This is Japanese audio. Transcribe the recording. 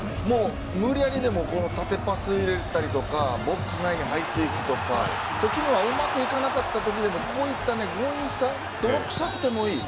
無理やりでも縦パス入れたりとかボックス内に入っていくとかときにはうまくいかなかったことでもこういった強引さ、泥臭くてもいい。